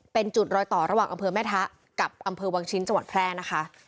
เป็นจุดรอยต่อระหว่างอำเภอแม่ทะกับอำเภอวังชิ้นจังหวัดแพร่นะคะ